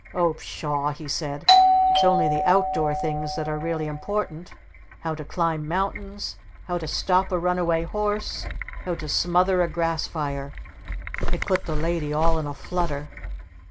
"Oh pshaw!" he said. "It's only the outdoor things that are really important, how to climb mountains, how to stop a runaway horse, how to smother a grass fire!" It put the Lady all in a flutter.